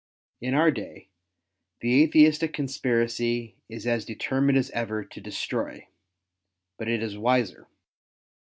In our day, the Atheistic Conspiracy is as determined as ever to destroy, but it is wiser.